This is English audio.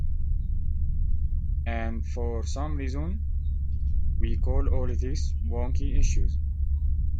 And for some reason we call all these 'wonky issues.